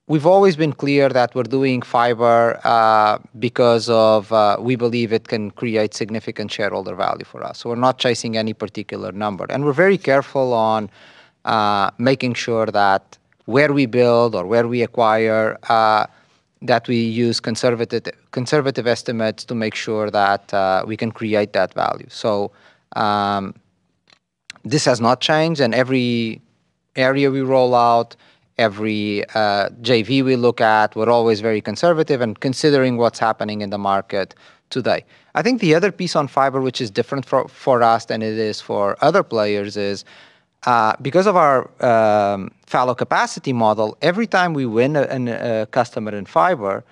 we've always been clear that we're doing fiber because we believe it can create significant shareholder value for us. We're not chasing any particular number, and we're very careful on making sure that where we build or where we acquire, that we use conservative estimates to make sure that we can create that value. This has not changed, and every area we roll out, every JV we look at, we're always very conservative and considering what's happening in the market today. I think the other piece on fiber, which is different for us than it is for other players is because of our fallow-capacity model, every time we win a customer in fiber,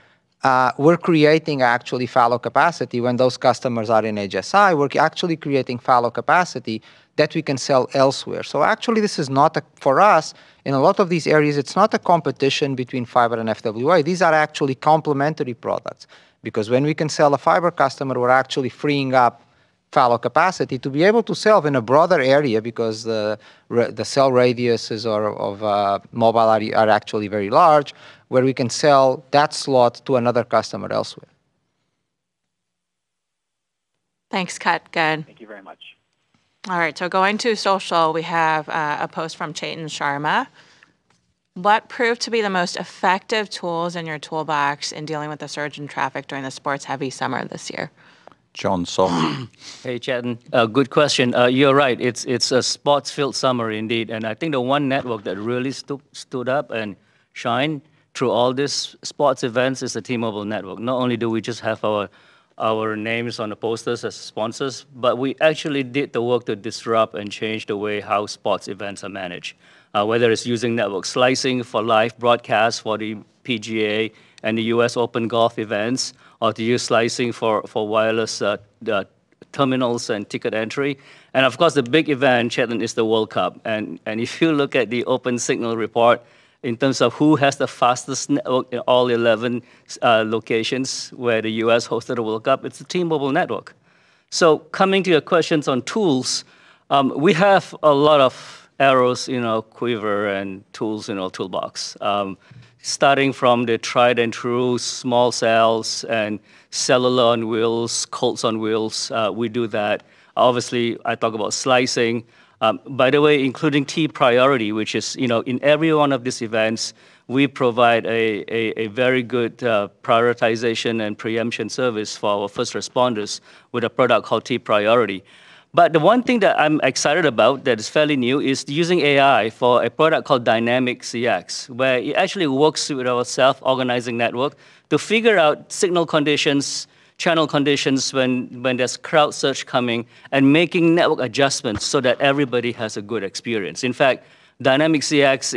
we're creating actually fallow capacity. When those customers are in HSI, we're actually creating fallow capacity that we can sell elsewhere. Actually, for us, in a lot of these areas, it's not a competition between fiber and FWA. These are actually complementary products because when we can sell a fiber customer, we're actually freeing up fallow capacity to be able to sell in a broader area because the cell radiuses of mobile are actually very large, where we can sell that slot to another customer elsewhere. Thanks, Kutgun. Thank you very much. All right, so going to social, we have a post from Chetan Sharma. What proved to be the most effective tools in your toolbox in dealing with the surge in traffic during the sports-heavy summer this year? John Saw. Hey, Chetan. Good question. You're right, it's a sports-filled summer indeed. I think the one network that really stood up and shined through all these sports events is the T-Mobile network. Not only do we just have our names on the posters as sponsors, but we actually did the work to disrupt and change the way how sports events are managed, whether it's using network slicing for live broadcasts for the PGA and the U.S. Open golf events, or to use slicing for wireless terminals and ticket entry. Of course, the big event, Chetan, is the World Cup. If you look at the Opensignal report in terms of who has the fastest network in all 11 locations where the U.S. hosted a World Cup, it's the T-Mobile network. Coming to your questions on tools, we have a lot of arrows in our quiver and tools in our toolbox. Starting from the tried-and-true small cells and Cell on Wheels, COWs on wheels, we do that. Obviously, I talk about slicing. By the way, including T-Priority, which is in every one of these events, we provide a very good prioritization and preemption service for our first responders with a product called T-Priority. But the one thing that I'm excited about that is fairly new is using AI for a product called Dynamic CX, where it actually works with our self-organizing network to figure out signal conditions, channel conditions when there's a crowd surge coming, and making network adjustments so that everybody has a good experience. In fact, Dynamic CX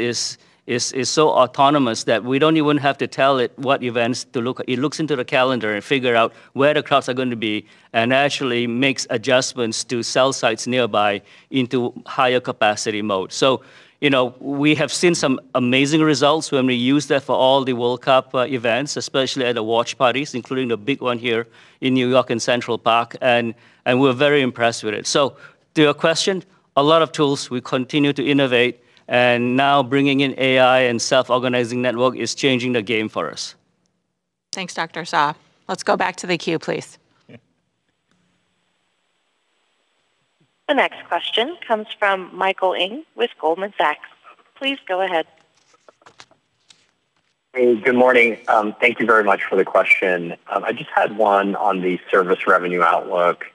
is so autonomous that we don't even have to tell it what events to look at. It looks into the calendar and figure out where the crowds are going to be and actually makes adjustments to cell sites nearby into higher capacity mode. We have seen some amazing results when we use that for all the World Cup events, especially at the watch parties, including the big one here in New York in Central Park, and we're very impressed with it. To your question, a lot of tools we continue to innovate, and now bringing in AI and self-organizing network is changing the game for us. Thanks, Dr. Saw. Let's go back to the queue, please. The next question comes from Michael Ng with Goldman Sachs. Please go ahead. Hey, good morning. Thank you very much for the question. I just had one on the service revenue outlook.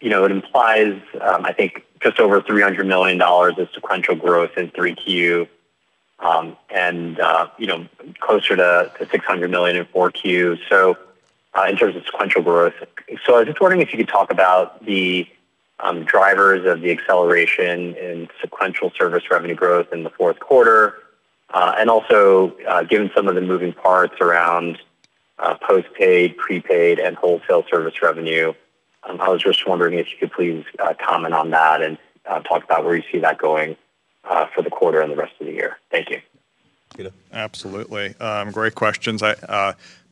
It implies, I think, just over $300 million of sequential growth in 3Q, and closer to $600 million in 4Q, in terms of sequential growth. I was just wondering if you could talk about the drivers of the acceleration in sequential service revenue growth in the fourth quarter. Also, given some of the moving parts around postpaid, prepaid, and wholesale service revenue, I was just wondering if you could please comment on that and talk about where you see that going for the quarter and the rest of the year. Thank you. Peter. Absolutely. Great questions.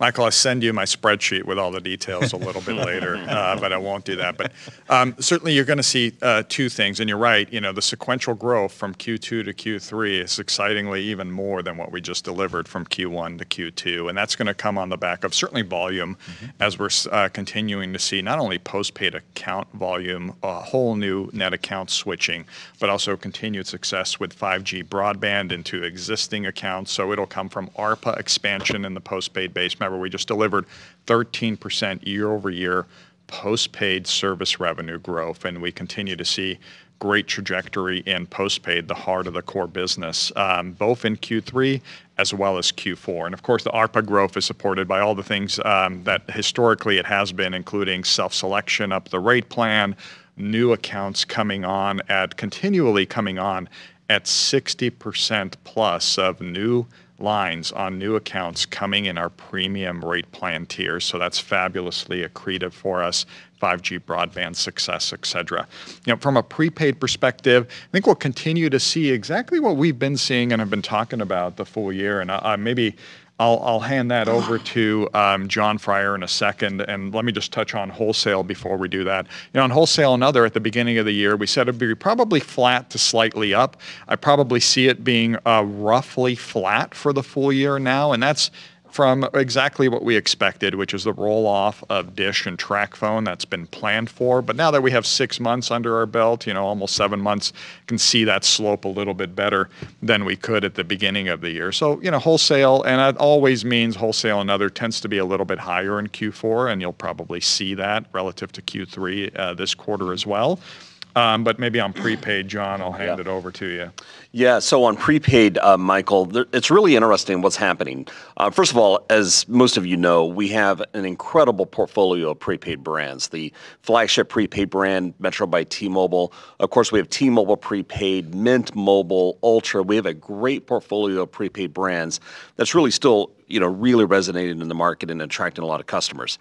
Michael, I'll send you my spreadsheet with all the details a little bit later, but I won't do that. But certainly, you're going to see two things, and you're right. The sequential growth from Q2 to Q3 is excitingly even more than what we just delivered from Q1 to Q2, and that's going to come on the back of certainly volume as we're continuing to see not only postpaid account volume, whole new net account switching, but also continued success with 5G broadband into existing accounts. It'll come from ARPA expansion in the postpaid base. Remember, we just delivered 13% year-over-year postpaid service revenue growth, and we continue to see great trajectory in postpaid, the heart of the core business, both in Q3 as well as Q4. Of course, the ARPA growth is supported by all the things that historically it has been, including self-selection up the rate plan, new accounts continually coming on at 60%+ of new lines on new accounts coming in our premium rate plan tier. That's fabulously accretive for us, 5G broadband success, et cetera. From a prepaid perspective, I think we'll continue to see exactly what we've been seeing and have been talking about the full year, and maybe, I'll hand that over to Jon Freier in a second and let me just touch on wholesale before we do that. On wholesale and other at the beginning of the year, we said it'd be probably flat to slightly up. I probably see it being roughly flat for the full year now, and that's from exactly what we expected, which was the roll-off of Dish and TracFone. That's been planned for. But now that we have six months under our belt, almost seven months, can see that slope a little bit better than we could at the beginning of the year. Wholesale, and that always means wholesale and other tends to be a little bit higher in Q4, and you'll probably see that relative to Q3 this quarter as well. But maybe on prepaid, Jon. Yeah. I'll hand it over to you. Yeah. So, on prepaid, Michael, it's really interesting what's happening. First of all, as most of you know, we have an incredible portfolio of prepaid brands, the flagship prepaid brand, Metro by T-Mobile. Of course, we have T-Mobile prepaid, Mint Mobile, Ultra. We have a great portfolio of prepaid brands that's really still resonating in the market and attracting a lot of customers.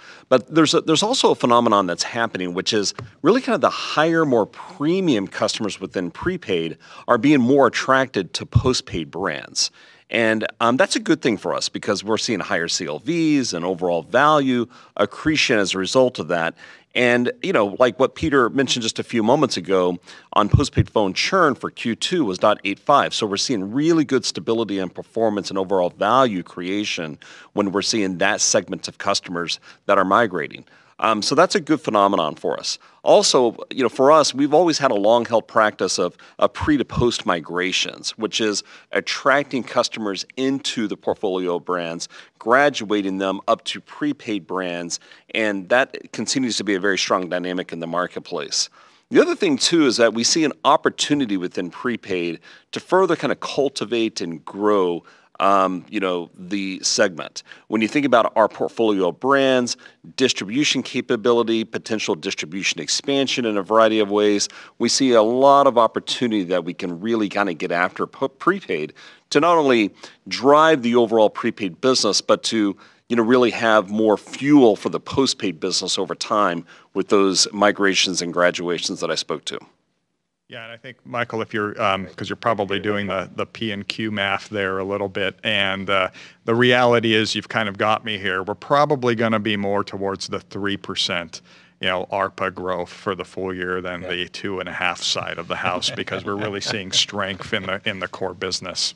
There's also a phenomenon that's happening, which is really the higher, more premium customers within prepaid are being more attracted to postpaid brands. That's a good thing for us because we're seeing higher CLVs and overall value accretion as a result of that. Like what Peter mentioned just a few moments ago, on postpaid phone churn for Q2 was 0.85%. We're seeing really good stability and performance and overall value creation when we're seeing that segment of customers that are migrating. That's a good phenomenon for us. Also, for us, we've always had a long-held practice of pre-to-post migrations, which is attracting customers into the portfolio brands, graduating them up to prepaid brands, and that continues to be a very strong dynamic in the marketplace. The other thing, too, is that we see an opportunity within prepaid to further cultivate and grow the segment. When you think about our portfolio of brands, distribution capability, potential distribution expansion in a variety of ways, we see a lot of opportunity that we can really get after prepaid to not only drive the overall prepaid business, but to really have more fuel for the postpaid business over time with those migrations and graduations that I spoke to. I think, Michael, because you're probably doing the P&Q math there a little bit, and the reality is you've got me here. We're probably going to be more towards the 3% ARPA growth for the full year than the 2.5% side of the house, because we're really seeing strength in the core business.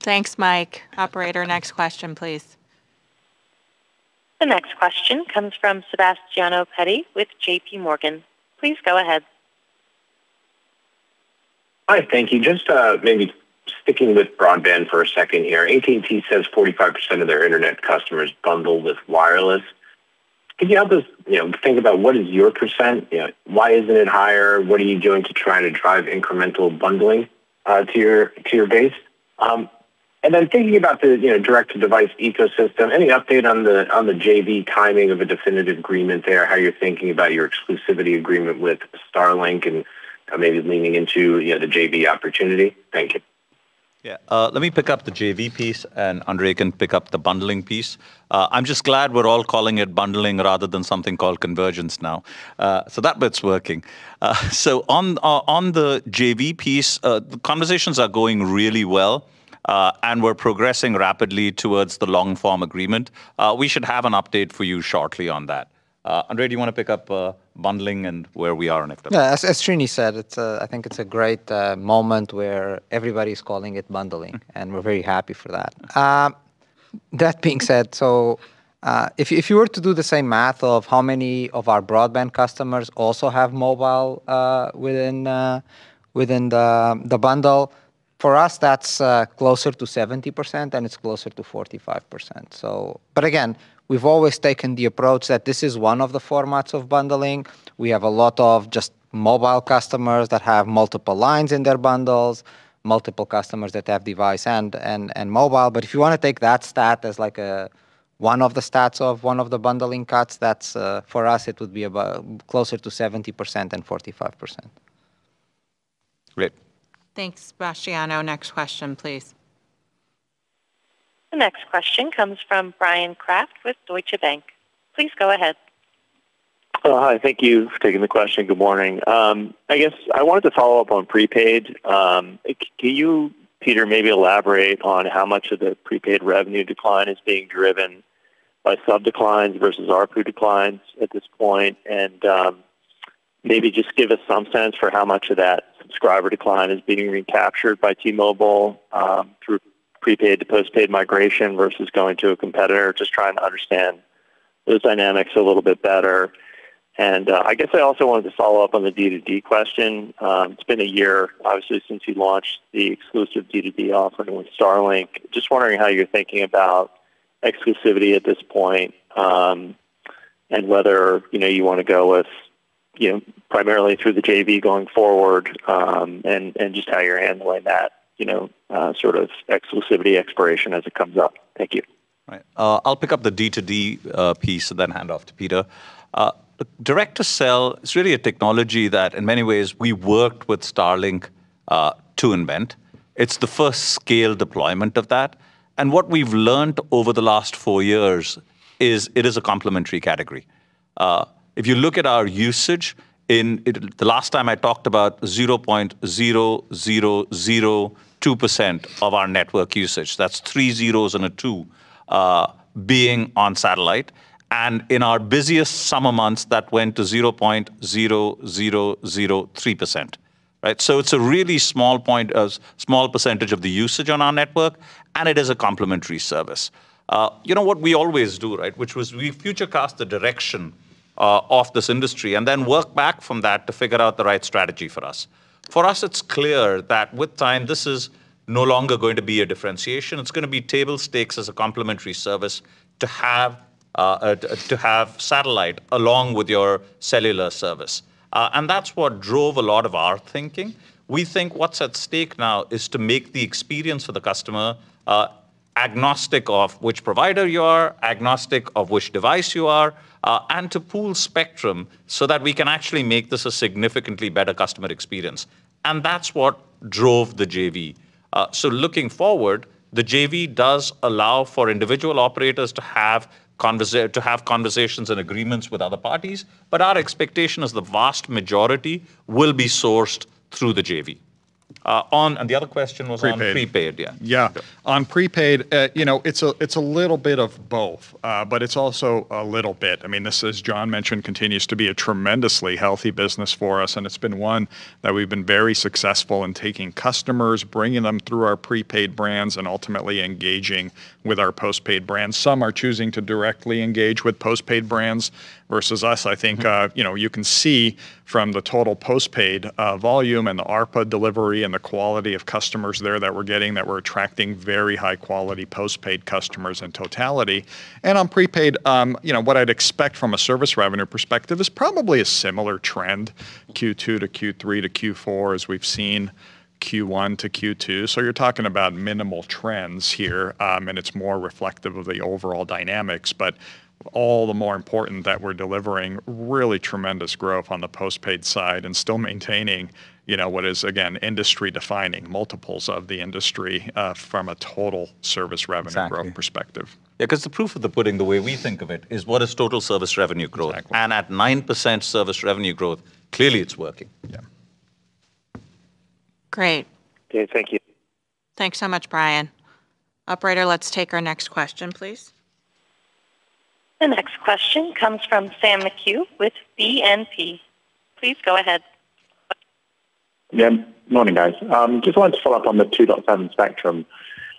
Thanks, Mike. Operator, next question, please. The next question comes from Sebastiano Petti with JPMorgan. Please go ahead. Hi, thank you. Maybe sticking with broadband for a second here. AT&T says 45% of their internet customers bundle with wireless. Could you help us think about what is your percent? Why isn't it higher? What are you doing to try to drive incremental bundling to your base? Then, thinking about the direct-to-device ecosystem, any update on the JV timing of a definitive agreement there, how you're thinking about your exclusivity agreement with Starlink and maybe leaning into the JV opportunity? Thank you. Yeah. Let me pick up the JV piece and André can pick up the bundling piece. I'm just glad we're all calling it bundling rather than something called convergence now, so that bit's working. On the JV piece, the conversations are going really well, and we're progressing rapidly towards the long-form agreement. We should have an update for you shortly on that. André, do you want to pick up bundling and where we are on it? Yeah. As Srini said, I think it's a great moment where everybody's calling it bundling, and we're very happy for that. That being said, if you were to do the same math of how many of our broadband customers also have mobile within the bundle, for us, that's closer to 70% than it's closer to 45%. Again, we've always taken the approach that this is one of the formats of bundling. We have a lot of just mobile customers that have multiple lines in their bundles, multiple customers that have device and mobile. If you want to take that stat as one of the stats of one of the bundling cuts, for us, it would be closer to 70% than 45%. Great. Thanks, Sebastiano. Next question, please. The next question comes from Bryan Kraft with Deutsche Bank. Please go ahead. Hi, thank you for taking the question. Good morning. I guess I wanted to follow up on prepaid. Can you, Peter, maybe elaborate on how much of the prepaid revenue decline is being driven by sub declines versus ARPU declines at this point? Maybe, just give us some sense for how much of that subscriber decline is being recaptured by T-Mobile through prepaid to postpaid migration versus going to a competitor. Just trying to understand those dynamics a little bit better. I guess, I also wanted to follow up on the D2D question. It's been a year, obviously, since you launched the exclusive D2D offering with Starlink. Just wondering how you're thinking about exclusivity at this point, and whether you want to go with primarily through the JV going forward, and just how you're handling that sort of exclusivity expiration as it comes up. Thank you. Right. I'll pick up the D2D piece and then hand off to Peter. Direct-to-cell is really a technology that in many ways we worked with Starlink to invent. It's the first scale deployment of that. What we've learned over the last four years is it is a complementary category. If you look at our usage in, the last time I talked about 0.0002% of our network usage. That's three zeros and a two being on satellite. In our busiest summer months, that went to 0.0003%. It's a really small percentage of the usage on our network, and it is a complementary service. What we always do, which was we future cast the direction of this industry and then work back from that to figure out the right strategy for us. For us, it's clear that with time, this is no longer going to be a differentiation. It's going to be table stakes as a complementary service to have satellite along with your cellular service. That's what drove a lot of our thinking. We think what's at stake now is to make the experience for the customer agnostic of which provider you are, agnostic of which device you are, and to pool spectrum so that we can actually make this a significantly better customer experience. That's what drove the JV. Looking forward, the JV does allow for individual operators to have conversations and agreements with other parties, but our expectation is the vast majority will be sourced through the JV. The other question was on. On prepaid. Prepaid. Yeah. Yeah. On prepaid, it's a little bit of both, but it's also a little bit. I mean, this, as Jon mentioned, continues to be a tremendously healthy business for us, and it's been one that we've been very successful in taking customers, bringing them through our prepaid brands, and ultimately engaging with our postpaid brands. Some are choosing to directly engage with postpaid brands versus us. I think you can see from the total postpaid volume and the ARPA delivery and the quality of customers there that we're getting, that we're attracting very high-quality postpaid customers in totality. On prepaid, what I'd expect from a service revenue perspective is probably a similar trend, Q2 to Q3 to Q4 as we've seen Q1 to Q2. You're talking about minimal trends here, and it's more reflective of the overall dynamics. But all the more important that we're delivering really tremendous growth on the postpaid side and still maintaining what is, again, industry defining multiples of the industry from a total service revenue. Exactly. Growth perspective. The proof of the pudding, the way we think of it, is what is total service revenue growth? Exactly. And at 9% service revenue growth, clearly, it's working. Yeah. Great. Okay, thank you. Thanks so much, Bryan. Operator, let's take our next question, please. The next question comes from Sam McHugh with BNP. Please go ahead. Yeah, Morning, guys. Just wanted to follow up on the 2.7 GHz spectrum.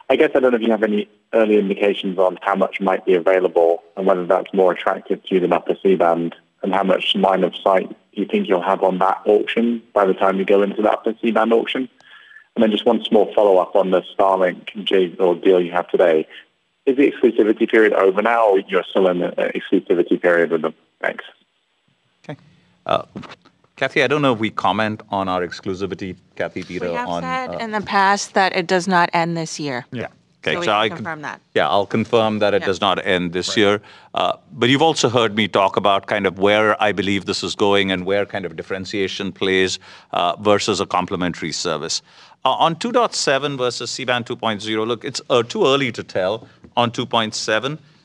I guess I don't know if you have any early indications on how much might be available and whether that's more attractive to you than upper C-band, and how much line of sight you think you'll have on that auction by the time you go into the upper C-band auction. Then, just one small follow-up on the Starlink deal you have today. Is the exclusivity period over now or you're still in the exclusivity period with them? Thanks. Okay. Cathy, I don't know if we comment on our exclusivity, Cathy, Peter. We have said in the past that it does not end this year. Yeah. Okay. We confirm that. Yeah. I'll confirm that it does not end this year. You've also heard me talk about where I believe this is going and where differentiation plays versus a complementary service. On 2.7 GHz versus C-Band 2.0 GHz, look, it's too early to tell on 2.7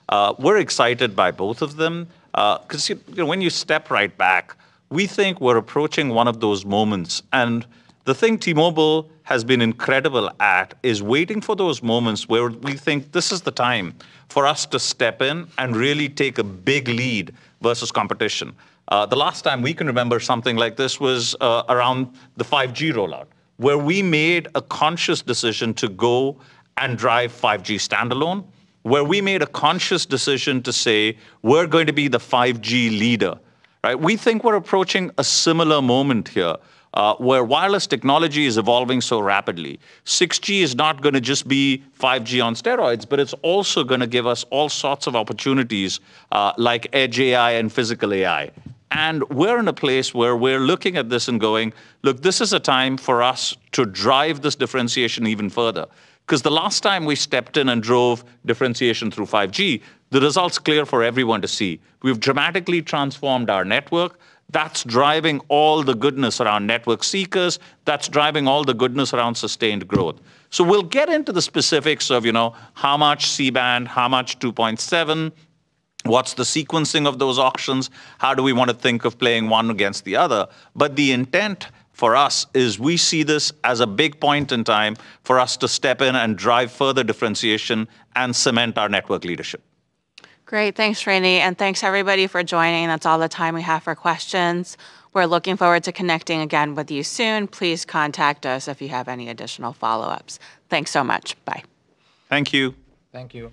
GHz. We're excited by both of them. Because when you step right back, we think we're approaching one of those moments. The thing T-Mobile has been incredible at is waiting for those moments where we think this is the time for us to step in and really take a big lead versus competition. The last time we can remember something like this was around the 5G rollout, where we made a conscious decision to go and drive 5G Standalone, where we made a conscious decision to say we're going to be the 5G leader, right? We think we're approaching a similar moment here where wireless technology is evolving so rapidly. 6G is not going to just be 5G on steroids, but it's also going to give us all sorts of opportunities like edge AI and physical AI. We're in a place where we're looking at this and going, look, this is a time for us to drive this differentiation even further. The last time we stepped in and drove differentiation through 5G, the results clear for everyone to see. We've dramatically transformed our network. That's driving all the goodness around network seekers. That's driving all the goodness around sustained growth. We'll get into the specifics of how much C-band, how much 2.7 GHz, what's the sequencing of those auctions, how do we want to think of playing one against the other. But the intent for us is we see this as a big point in time for us to step in and drive further differentiation and cement our network leadership. Great. Thanks, Srini, and thanks everybody for joining. That's all the time we have for questions. We're looking forward to connecting again with you soon. Please contact us if you have any additional follow-ups. Thanks so much. Bye. Thank you. Thank you.